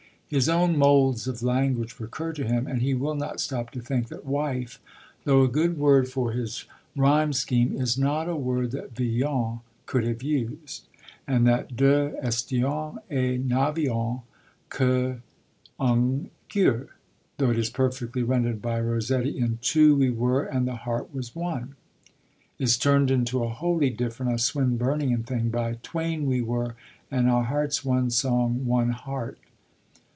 His own moulds of language recur to him, and he will not stop to think that 'wife,' though a good word for his rhyme scheme, is not a word that Villon could have used, and that Deux estions et n'avions qu'ung cueur, though it is perfectly rendered by Rossetti in Two we were and the heart was one, is turned into a wholly different, a Swinburnian thing, by Twain we were, and our hearts one song, One heart.